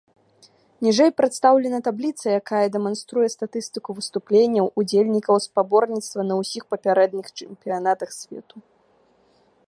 Ніжэй прадстаўлена табліца, якая дэманструе статыстыку выступленняў удзельнікаў спаборніцтва на ўсіх папярэдніх чэмпіянатах свету.